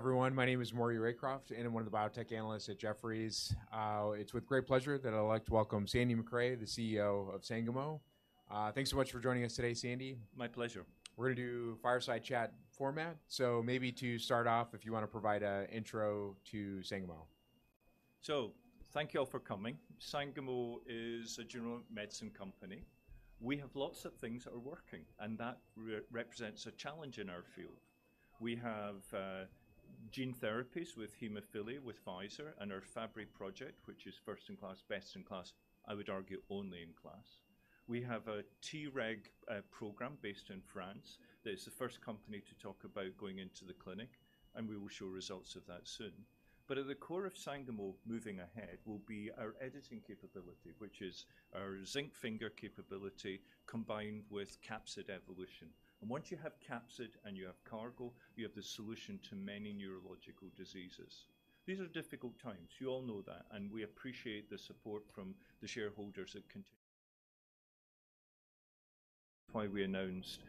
Hi everyone, my name is Maury Raycroft and I'm one of the Biotech Analysts at Jefferies. It's with great pleasure that I'd like to welcome Sandy Macrae, the CEO of Sangamo. Thanks so much for joining us today, Sandy. My pleasure. We're going to do fireside chat format, so maybe to start off if you want to provide an intro to Sangamo. So thank you all for coming. Sangamo is a genomic medicine company. We have lots of things that are working, and that represents a challenge in our field. We have gene therapies with hemophilia, with Pfizer, and our Fabry project, which is first-in-class, best-in-class, I would argue only in class. We have a Treg program based in France that is the first company to talk about going into the clinic, and we will show results of that soon. But at the core of Sangamo moving ahead will be our editing capability, which is our zinc finger capability combined with capsid evolution. And once you have capsid and you have cargo, you have the solution to many neurological diseases. These are difficult times, you all know that, and we appreciate the support from the shareholders that continue to support us. That's why we announced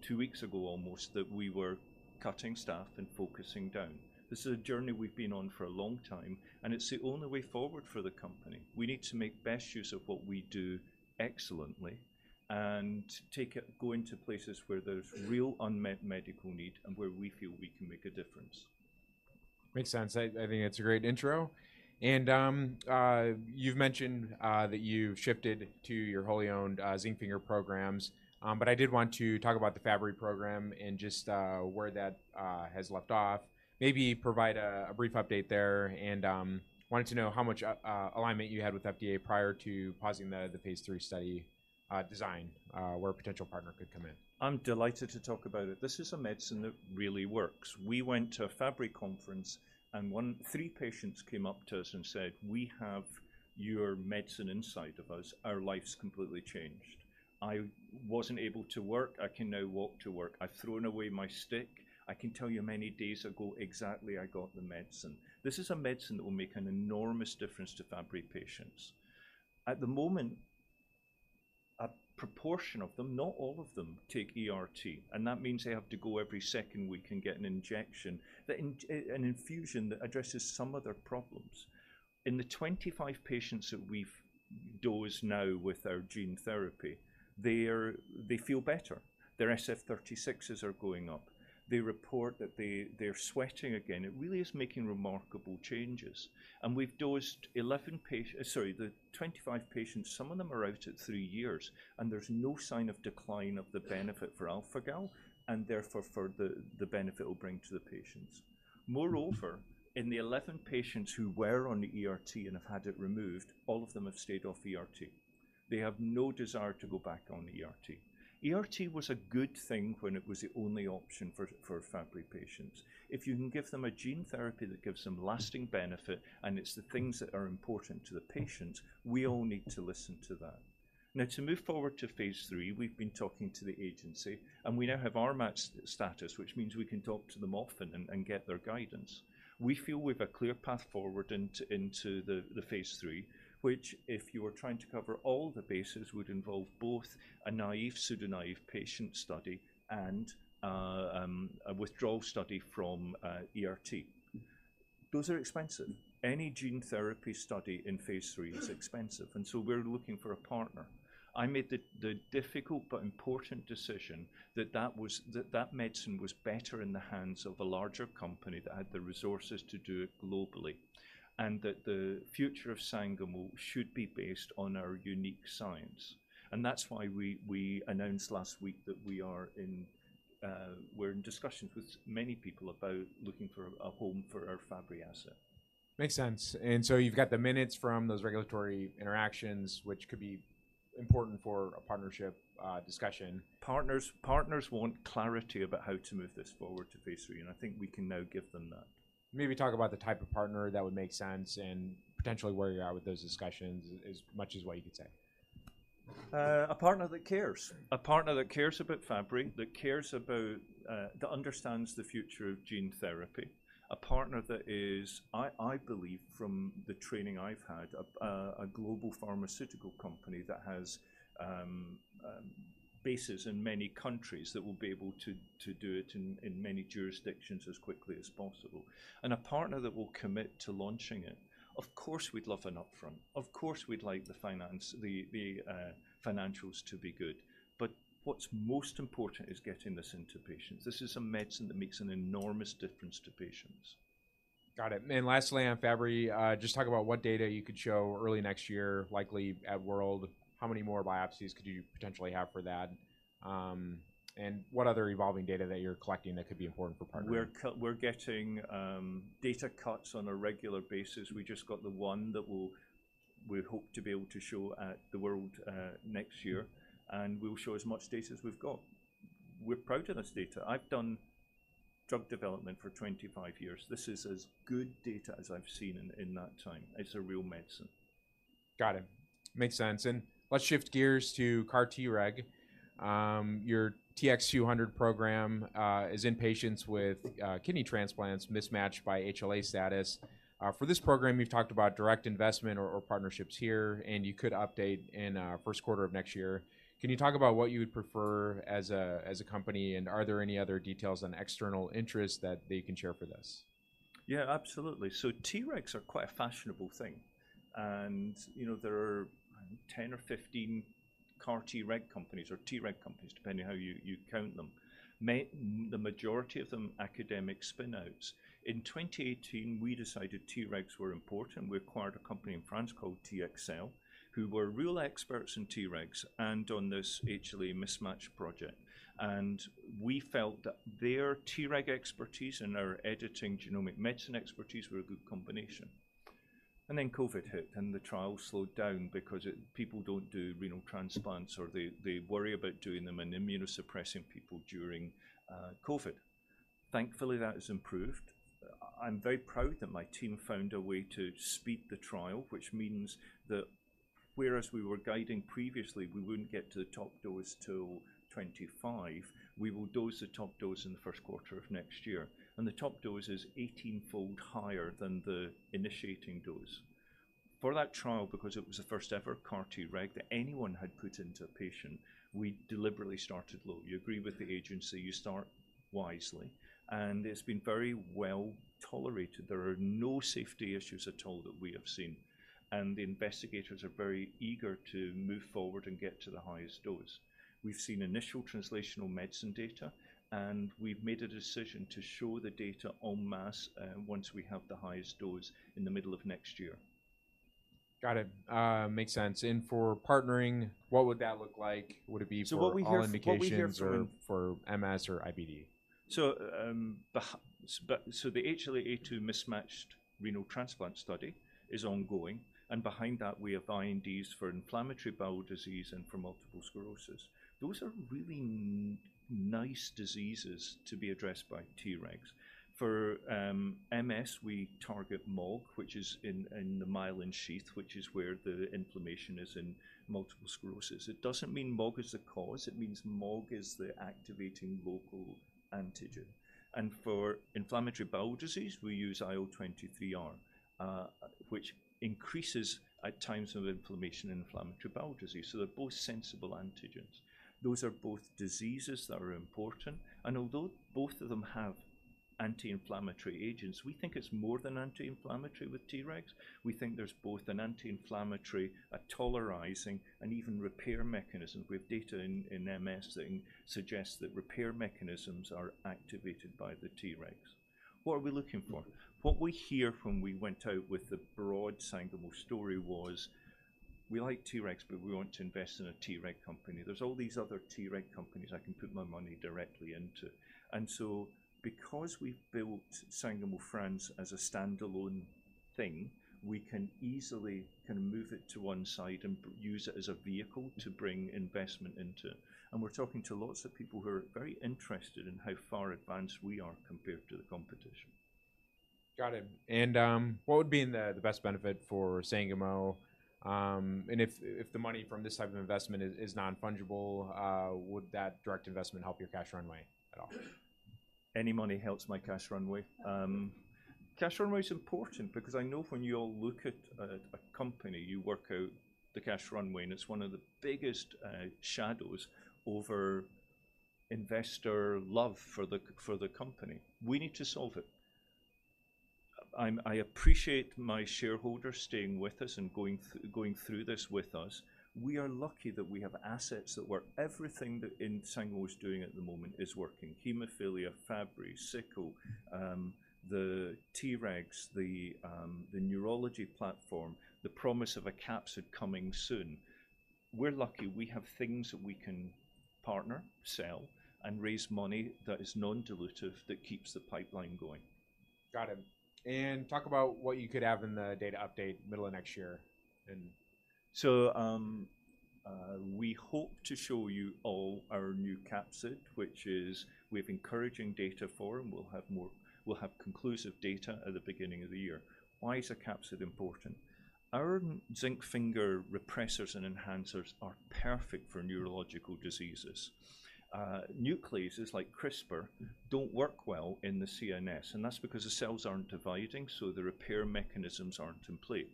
two weeks ago almost that we were cutting staff and focusing down. This is a journey we've been on for a long time, and it's the only way forward for the company. We need to make best use of what we do excellently and go into places where there's real unmet medical need and where we feel we can make a difference. Makes sense. I think that's a great intro. And you've mentioned that you've shifted to your wholly owned zinc finger programs, but I did want to talk about the Fabry program and just where that has left off. Maybe provide a brief update there, and wanted to know how much alignment you had with FDA prior to pausing the phase III study design, where a potential partner could come in. I'm delighted to talk about it. This is a medicine that really works. We went to a Fabry conference and three patients came up to us and said, "We have your medicine inside of us. Our life's completely changed. I wasn't able to work. I can now walk to work. I've thrown away my stick. I can tell you many days ago exactly I got the medicine." This is a medicine that will make an enormous difference to Fabry patients. At the moment, a proportion of them, not all of them, take ERT, and that means they have to go every second week and get an injection, an infusion that addresses some of their problems. In the 25 patients that we've dosed now with our gene therapy, they feel better. Their SF-36s are going up. They report that they're sweating again. It really is making remarkable changes. We've dosed 11 patients, sorry, the 25 patients, some of them are out at three years, and there's no sign of decline of the benefit for α-Gal A, and therefore for the benefit it'll bring to the patients. Moreover, in the 11 patients who were on the ERT and have had it removed, all of them have stayed off ERT. They have no desire to go back on the ERT. ERT was a good thing when it was the only option for Fabry patients. If you can give them a gene therapy that gives them lasting benefit and it's the things that are important to the patients, we all need to listen to that. Now, to move forward to phase III, we've been talking to the agency, and we now have RMAT status, which means we can talk to them often and get their guidance. We feel we have a clear path forward into the phase III, which, if you were trying to cover all the bases, would involve both a naive, pseudo-naive patient study and a withdrawal study from ERT. Those are expensive. Any gene therapy study in phase III is expensive, and so we're looking for a partner. I made the difficult but important decision that that medicine was better in the hands of a larger company that had the resources to do it globally and that the future of Sangamo should be based on our unique science. And that's why we announced last week that we're in discussions with many people about looking for a home for our Fabry asset. Makes sense. And so you've got the minutes from those regulatory interactions, which could be important for a partnership discussion. Partners want clarity about how to move this forward to phase III, and I think we can now give them that. Maybe talk about the type of partner that would make sense and potentially where you're at with those discussions as much as what you could say. A partner that cares. A partner that cares about Fabry, that understands the future of gene therapy. A partner that is, I believe from the training I've had, a global pharmaceutical company that has bases in many countries that will be able to do it in many jurisdictions as quickly as possible. A partner that will commit to launching it. Of course, we'd love an upfront. Of course, we'd like the financials to be good. But what's most important is getting this into patients. This is a medicine that makes an enormous difference to patients. Got it. And lastly, on Fabry, just talk about what data you could show early next year, likely at World. How many more biopsies could you potentially have for that? And what other evolving data that you're collecting that could be important for partners? We're getting data cuts on a regular basis. We just got the one that we hope to be able to show at the World next year, and we'll show as much data as we've got. We're proud of this data. I've done drug development for 25 years. This is as good data as I've seen in that time. It's a real medicine. Got it. Makes sense. Let's shift gears to CAR-Treg. Your TX200 program is in patients with kidney transplants mismatched by HLA status. For this program, you've talked about direct investment or partnerships here, and you could update in first quarter of next year. Can you talk about what you would prefer as a company, and are there any other details on external interests that they can share for this? Yeah, absolutely. So Tregs are quite a fashionable thing. And there are 10 or 15 CAR-Treg companies or Treg companies, depending on how you count them. The majority of them are academic spin-outs. In 2018, we decided Tregs were important. We acquired a company in France called TxCell who were real experts in Tregs and on this HLA mismatch project. And we felt that their Treg expertise and our editing genomic medicine expertise were a good combination. And then COVID hit, and the trials slowed down because people don't do renal transplants or they worry about doing them and immunosuppressing people during COVID. Thankfully, that has improved. I'm very proud that my team found a way to speed the trial, which means that whereas we were guiding previously, we wouldn't get to the top dose till 2025, we will dose the top dose in the first quarter of next year. And the top dose is 18-fold higher than the initiating dose. For that trial, because it was the first-ever CAR-Treg that anyone had put into a patient, we deliberately started low. You agree with the agency. You start wisely. And it's been very well tolerated. There are no safety issues at all that we have seen. And the investigators are very eager to move forward and get to the highest dose. We've seen initial translational medicine data, and we've made a decision to show the data en masse once we have the highest dose in the middle of next year. Got it. Makes sense. And for partnering, what would that look like? Would it be for all indications or for MS or IBD? So the HLA-A2 mismatched renal transplant study is ongoing, and behind that, we have INDs for inflammatory bowel disease and for multiple sclerosis. Those are really nice diseases to be addressed by Tregs. For MS, we target MOG, which is in the myelin sheath, which is where the inflammation is in multiple sclerosis. It doesn't mean MOG is the cause. It means MOG is the activating local antigen. And for inflammatory bowel disease, we use IL-23R, which increases at times of inflammation and inflammatory bowel disease. So they're both sensible antigens. Those are both diseases that are important. And although both of them have anti-inflammatory agents, we think it's more than anti-inflammatory with Tregs. We think there's both an anti-inflammatory, a tolerizing, and even repair mechanism. We have data in MS that suggests that repair mechanisms are activated by the Tregs. What are we looking for? What we hear from when we went out with the broad Sangamo story was, "We like Tregs, but we want to invest in a Treg company. There's all these other Treg companies I can put my money directly into." And so because we've built Sangamo France as a standalone thing, we can easily kind of move it to one side and use it as a vehicle to bring investment into. And we're talking to lots of people who are very interested in how far advanced we are compared to the competition. Got it. What would be the best benefit for Sangamo? If the money from this type of investment is non-fungible, would that direct investment help your cash runway at all? Any money helps my cash runway. Cash runway is important because I know when you all look at a company, you work out the cash runway, and it's one of the biggest shadows over investor love for the company. We need to solve it. I appreciate my shareholders staying with us and going through this with us. We are lucky that we have assets that where everything that Sangamo is doing at the moment is working. Hemophilia, Fabry, sickle, the Tregs, the neurology platform, the promise of a capsid coming soon. We're lucky. We have things that we can partner, sell, and raise money that is non-dilutive that keeps the pipeline going. Got it. Talk about what you could have in the data update middle of next year. So we hope to show you all our new capsid, which is we have encouraging data for, and we'll have conclusive data at the beginning of the year. Why is a capsid important? Our zinc finger repressors and enhancers are perfect for neurological diseases. Nucleases like CRISPR don't work well in the CNS, and that's because the cells aren't dividing, so the repair mechanisms aren't in place.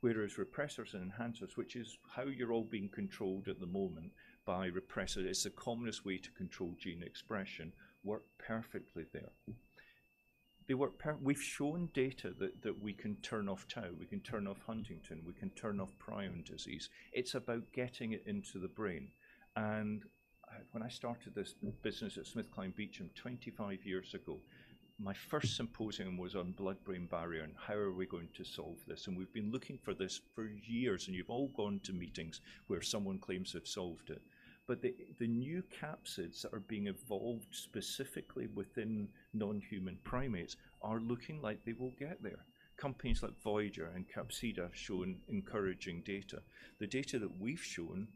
Whereas repressors and enhancers, which is how you're all being controlled at the moment by repressors, it's the commonest way to control gene expression, work perfectly there. We've shown data that we can turn off tau. We can turn off Huntington. We can turn off prion disease. It's about getting it into the brain. And when I started this business at SmithKline Beecham 25 years ago, my first symposium was on blood-brain barrier and how are we going to solve this. And we've been looking for this for years, and you've all gone to meetings where someone claims they've solved it. But the new capsids that are being evolved specifically within non-human primates are looking like they will get there. Companies like Voyager and Capsida have shown encouraging data. The data that we've shown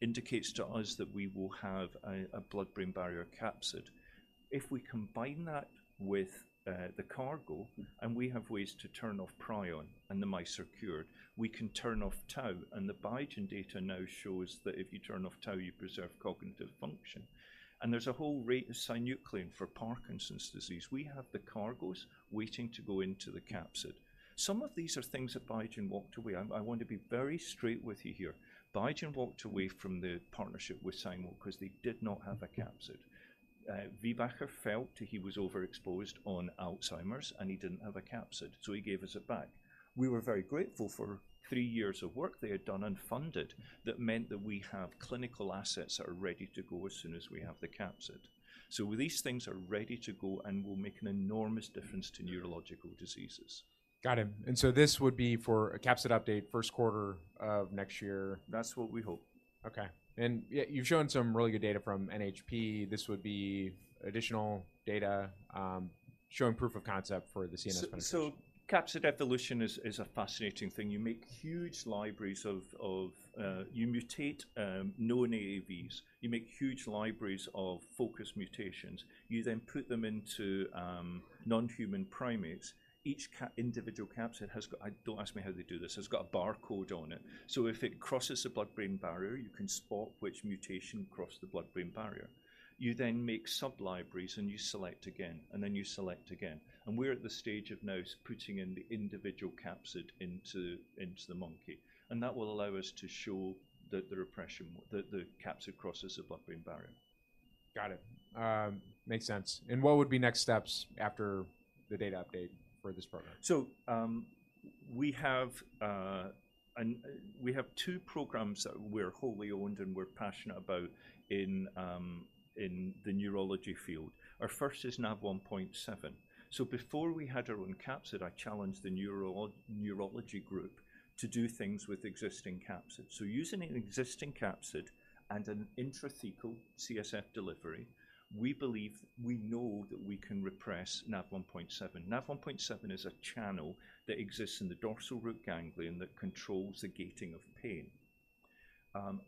indicates to us that we will have a blood-brain barrier capsid. If we combine that with the cargo, and we have ways to turn off prion and the mice are cured, we can turn off tau, and the Biogen data now shows that if you turn off tau, you preserve cognitive function. And there's a whole array of synuclein for Parkinson's disease. We have the cargos waiting to go into the capsid. Some of these are things that Biogen walked away. I want to be very straight with you here. Biogen walked away from the partnership with Sangamo because they did not have a capsid. Viehbacher felt he was overexposed on Alzheimer's, and he didn't have a capsid, so he gave us it back. We were very grateful for three years of work they had done and funded that meant that we have clinical assets that are ready to go as soon as we have the capsid. So these things are ready to go, and we'll make an enormous difference to neurological diseases. Got it. And so this would be for a capsid update first quarter of next year. That's what we hope. Okay. And you've shown some really good data from NHP. This would be additional data showing proof of concept for the CNS clinical study. So capsid evolution is a fascinating thing. You make huge libraries of you mutate known AAVs. You make huge libraries of focused mutations. You then put them into non-human primates. Each individual capsid has got. Don't ask me how they do this. It's got a barcode on it. So if it crosses the blood-brain barrier, you can spot which mutation crossed the blood-brain barrier. You then make sub-libraries, and you select again, and then you select again. And we're at the stage of now putting in the individual capsid into the monkey. And that will allow us to show that the capsid crosses the blood-brain barrier. Got it. Makes sense. What would be next steps after the data update for this program? So we have two programs that we're wholly owned and we're passionate about in the neurology field. Our first is Nav1.7. So before we had our own capsid, I challenged the neurology group to do things with existing capsids. So using an existing capsid and an intrathecal CSF delivery, we believe we know that we can repress Nav1.7. Nav1.7 is a channel that exists in the dorsal root ganglion that controls the gating of pain.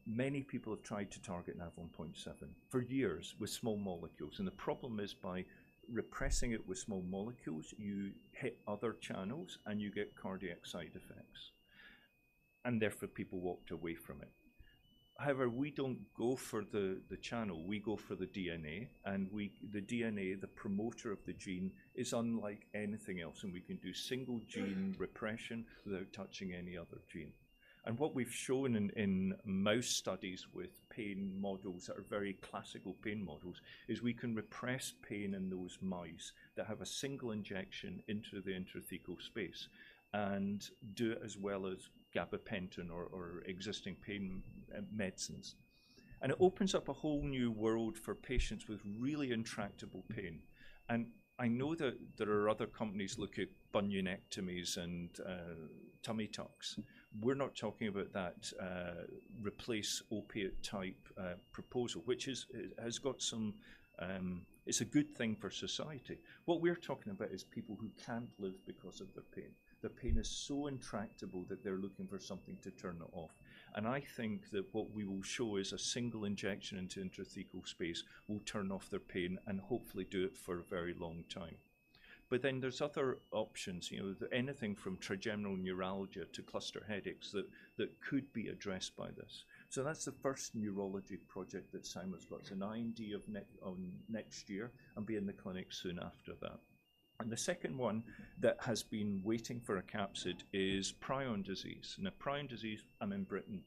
Many people have tried to target Nav1.7 for years with small molecules. And the problem is by repressing it with small molecules, you hit other channels, and you get cardiac side effects. And therefore, people walked away from it. However, we don't go for the channel. We go for the DNA. And the DNA, the promoter of the gene, is unlike anything else. We can do single gene repression without touching any other gene. What we've shown in mouse studies with pain models that are very classical pain models is we can repress pain in those mice that have a single injection into the intrathecal space and do it as well as gabapentin or existing pain medicines. It opens up a whole new world for patients with really intractable pain. I know that there are other companies looking at bunionectomies and tummy tucks. We're not talking about that replace opiate type proposal, which has got some, it's a good thing for society. What we're talking about is people who can't live because of their pain. Their pain is so intractable that they're looking for something to turn it off. I think that what we will show is a single injection into the intrathecal space will turn off their pain and hopefully do it for a very long time. But then there's other options, anything from trigeminal neuralgia to cluster headaches that could be addressed by this. So that's the first neurology project that Sangamo's got: an IND next year and be in the clinic soon after that. The second one that has been waiting for a capsid is prion disease. Prion disease, I'm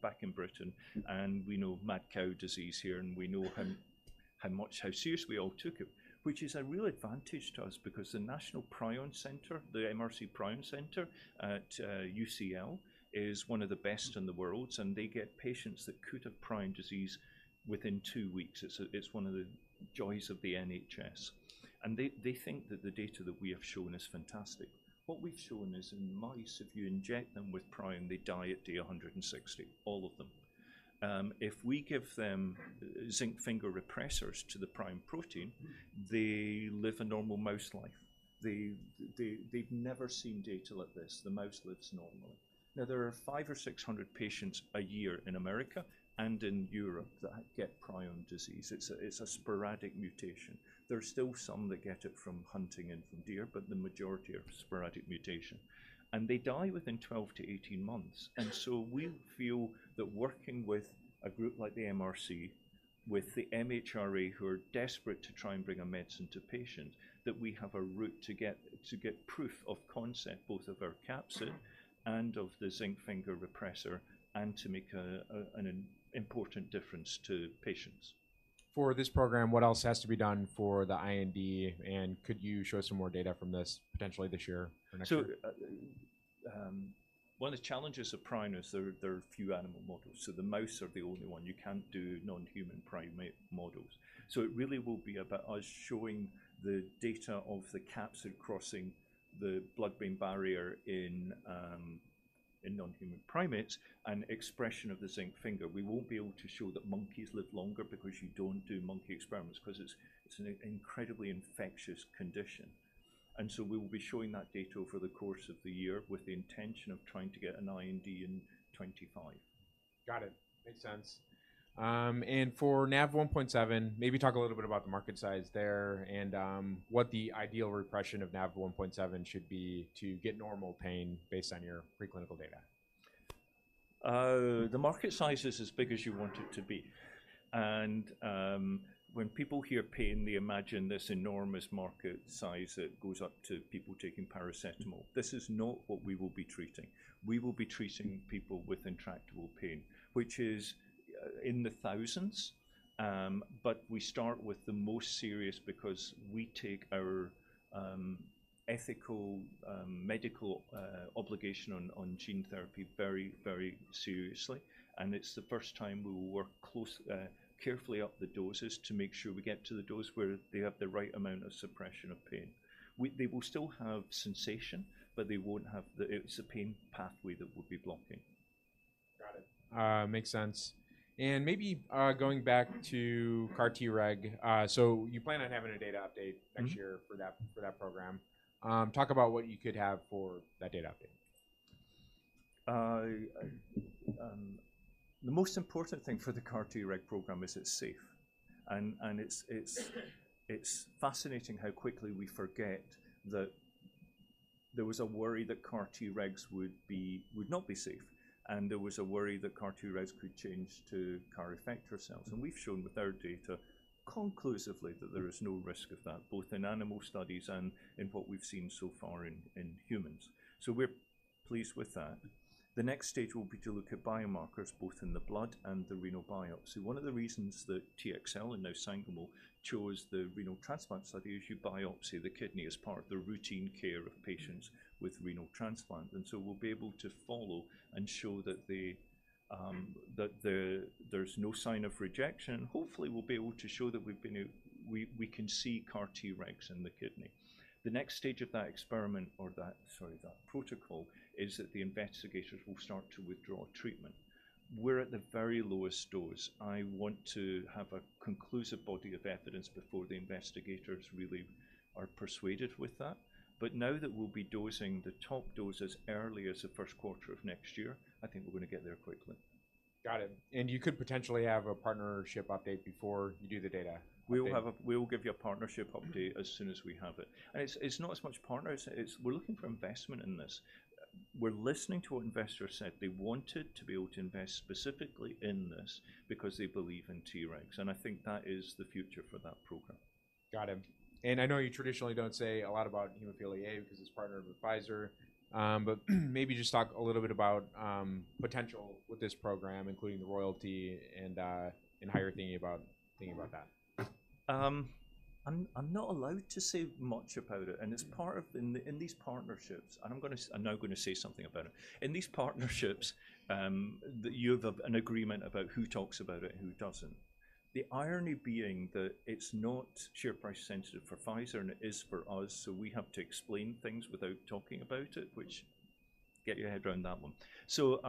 back in Britain, and we know mad cow disease here, and we know how seriously we all took it, which is a real advantage to us because the National Prion Center, the MRC Prion Unit at UCL, is one of the best in the world. They get patients that could have prion disease within two weeks. It's one of the joys of the NHS. They think that the data that we have shown is fantastic. What we've shown is in mice, if you inject them with prion, they die at day 160, all of them. If we give them zinc finger repressors to the prion protein, they live a normal mouse life. They've never seen data like this. The mouse lives normally. Now, there are 500 or 600 patients a year in America and in Europe that get prion disease. It's a sporadic mutation. There are still some that get it from hunting and from deer, but the majority are sporadic mutation. They die within 12-18 months. And so we'll feel that working with a group like the MRC, with the MHRA who are desperate to try and bring a medicine to patients, that we have a route to get proof of concept, both of our capsid and of the zinc finger repressor, and to make an important difference to patients. For this program, what else has to be done for the IND? And could you show us some more data from this potentially this year or next year? So one of the challenges of prion is there are few animal models. So the mouse are the only one. You can't do non-human primate models. So it really will be about us showing the data of the capsid crossing the blood-brain barrier in non-human primates and expression of the zinc finger. We won't be able to show that monkeys live longer because you don't do monkey experiments because it's an incredibly infectious condition. And so we will be showing that data over the course of the year with the intention of trying to get an IND in 2025. Got it. Makes sense. And for Nav1.7, maybe talk a little bit about the market size there and what the ideal repression of Nav1.7 should be to get normal pain based on your preclinical data? The market size is as big as you want it to be. When people hear pain, they imagine this enormous market size that goes up to people taking paracetamol. This is not what we will be treating. We will be treating people with intractable pain, which is in the thousands. We start with the most serious because we take our ethical medical obligation on gene therapy very, very seriously. It's the first time we will work carefully up the doses to make sure we get to the dose where they have the right amount of suppression of pain. They will still have sensation, but they won't have the pain. It's the pain pathway that will be blocking. Got it. Makes sense. Maybe going back to CAR-Treg, so you plan on having a data update next year for that program. Talk about what you could have for that data update? The most important thing for the CAR-Treg program is it's safe. It's fascinating how quickly we forget that there was a worry that CAR-Tregs would not be safe. There was a worry that CAR-Tregs could change to CAR effector cells. We've shown with our data conclusively that there is no risk of that, both in animal studies and in what we've seen so far in humans. We're pleased with that. The next stage will be to look at biomarkers both in the blood and the renal biopsy. One of the reasons that TxCell and now Sangamo chose the renal transplant study is you biopsy the kidney as part of the routine care of patients with renal transplant. So we'll be able to follow and show that there's no sign of rejection. Hopefully, we'll be able to show that we can see CAR-Tregs in the kidney. The next stage of that experiment or that, sorry, that protocol is that the investigators will start to withdraw treatment. We're at the very lowest dose. I want to have a conclusive body of evidence before the investigators really are persuaded with that. But now that we'll be dosing the top doses early as the first quarter of next year, I think we're going to get there quickly. Got it. You could potentially have a partnership update before you do the data. We will give you a partnership update as soon as we have it. And it's not as much partners. We're looking for investment in this. We're listening to what investors said. They wanted to be able to invest specifically in this because they believe in Tregs. And I think that is the future for that program. Got it. And I know you traditionally don't say a lot about hemophilia A because it's partnered with Pfizer. But maybe just talk a little bit about potential with this program, including the royalty and how you're thinking about that. I'm not allowed to say much about it. It's part of these partnerships and I'm now going to say something about it. In these partnerships, you have an agreement about who talks about it and who doesn't. The irony being that it's not share price sensitive for Pfizer, and it is for us. So we have to explain things without talking about it, which get your head around that one. So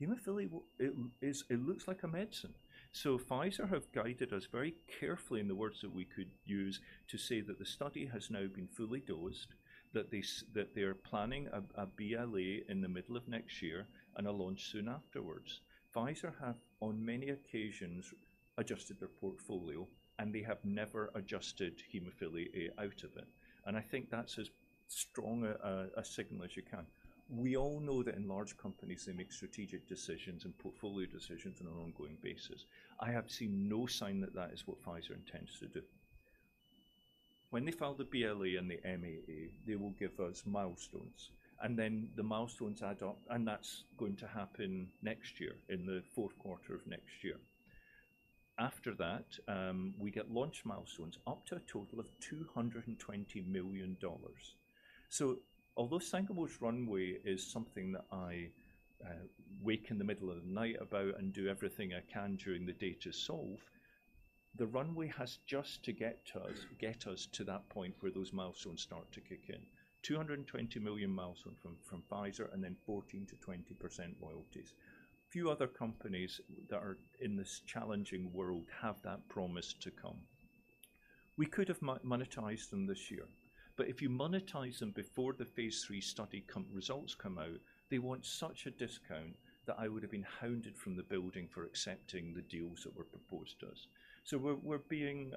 hemophilia A, it looks like a medicine. So Pfizer have guided us very carefully, in the words that we could use, to say that the study has now been fully dosed, that they are planning a BLA in the middle of next year and a launch soon afterwards. Pfizer have, on many occasions, adjusted their portfolio, and they have never adjusted hemophilia A out of it. I think that's as strong a signal as you can. We all know that in large companies, they make strategic decisions and portfolio decisions on an ongoing basis. I have seen no sign that that is what Pfizer intends to do. When they filed the BLA and the MAA, they will give us milestones. Then the milestones add up, and that's going to happen next year in the fourth quarter of next year. After that, we get launch milestones up to a total of $220 million. So although Sangamo's runway is something that I wake in the middle of the night about and do everything I can during the day to solve, the runway has just to get us to that point where those milestones start to kick in: $220 million milestone from Pfizer and then 14%-20% royalties. Few other companies that are in this challenging world have that promise to come. We could have monetized them this year. But if you monetize them before the phase III study results come out, they want such a discount that I would have been hounded from the building for accepting the deals that were proposed to us. So we're being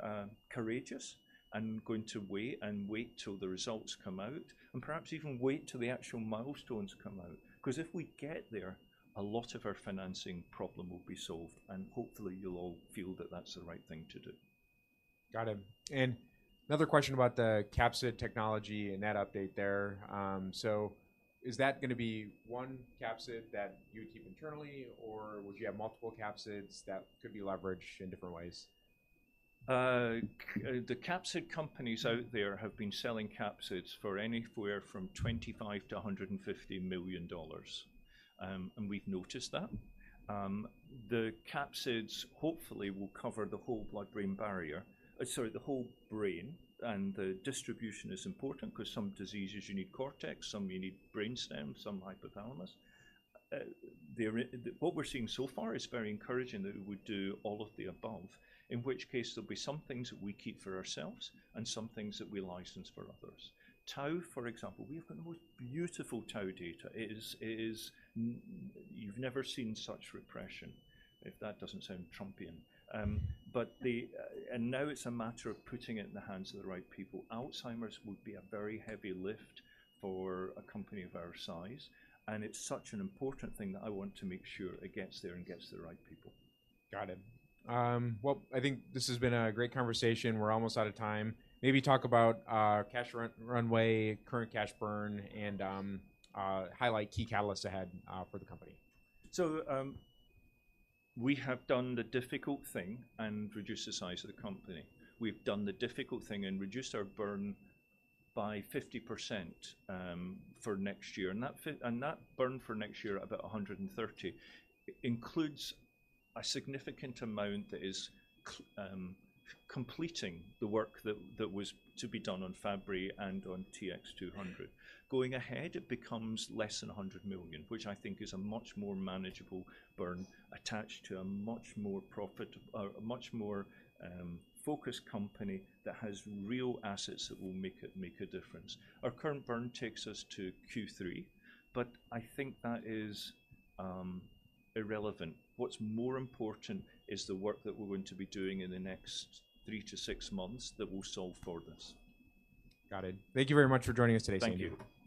courageous and going to wait and wait till the results come out and perhaps even wait till the actual milestones come out. Because if we get there, a lot of our financing problem will be solved. And hopefully, you'll all feel that that's the right thing to do. Got it. Another question about the capsid technology and that update there. Is that going to be one capsid that you keep internally, or would you have multiple capsids that could be leveraged in different ways? The capsid companies out there have been selling capsids for anywhere from $25 million-$150 million. We've noticed that. The capsids hopefully will cover the whole blood-brain barrier. Sorry, the whole brain. The distribution is important because some diseases, you need cortex. Some you need brainstem. Some hypothalamus. What we're seeing so far is very encouraging that we would do all of the above, in which case there'll be some things that we keep for ourselves and some things that we license for others. Tau, for example, we have got the most beautiful tau data. You've never seen such repression, if that doesn't sound Trumpian. Now it's a matter of putting it in the hands of the right people. Alzheimer's would be a very heavy lift for a company of our size. It's such an important thing that I want to make sure it gets there and gets to the right people. Got it. Well, I think this has been a great conversation. We're almost out of time. Maybe talk about cash runway, current cash burn, and highlight key catalysts ahead for the company. So we have done the difficult thing and reduced the size of the company. We've done the difficult thing and reduced our burn by 50% for next year. And that burn for next year, about $130 million, includes a significant amount that is completing the work that was to be done on Fabry and on TX200. Going ahead, it becomes less than $100 million, which I think is a much more manageable burn attached to a much more profitable, a much more focused company that has real assets that will make a difference. Our current burn takes us to Q3, but I think that is irrelevant. What's more important is the work that we're going to be doing in the next three to six months that will solve for this. Got it. Thank you very much for joining us today, Sandy. Thank you.